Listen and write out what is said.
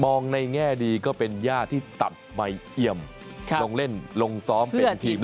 ในแง่ดีก็เป็นย่าที่ตัดใบเอี่ยมลงเล่นลงซ้อมเป็นทีม